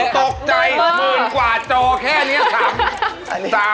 ตกใจหมื่นกว่าจอแค่นี้